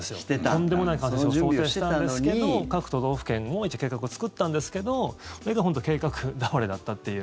とんでもない感染症を想定してたんですけど各都道府県も一応計画を作ったんですけどそれが本当計画倒れだったっていう。